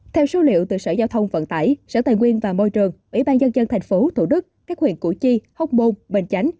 theo số liệu từ sở giao thông vận tải sở tài nguyên và môi trường ủy ban nhân dân tp thủ đức các huyện củ chi hóc môn bình chánh